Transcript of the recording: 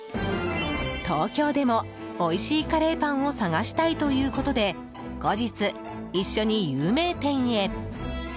東京でもおいしいカレーパンを探したいということで後日、一緒に有名店へ。